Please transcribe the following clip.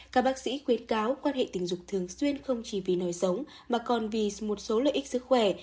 các bác sĩ khuyến cáo quan hệ tình dục thường xuyên không chỉ vì nòi sống mà còn vì một số lợi ích sức khỏe